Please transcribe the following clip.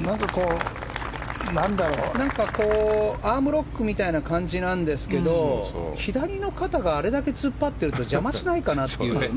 何かこうアームロックみたいな感じなんだけど左の肩があれだけ突っ張ってると邪魔しないかなっていうね。